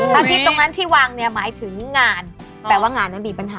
อาทิตย์ตรงนั้นที่วางเนี่ยหมายถึงงานแปลว่างานนั้นมีปัญหา